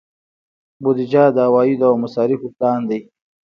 بودجه د عوایدو او مصارفو پلان دی